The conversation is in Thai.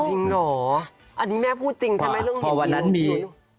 จริงหรออันนี้แม่พูดจริงใช่ไหมเรื่องเห็นผี